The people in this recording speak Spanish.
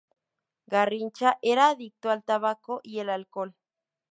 Garrincha era adicto al tabaco y el alcohol.